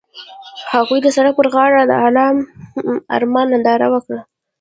هغوی د سړک پر غاړه د آرام آرمان ننداره وکړه.